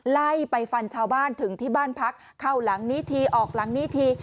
ไล่ไปฟันชาวบ้านถึงที่บ้านพักเข้าหลังนี้ทีออกหลังนี้ที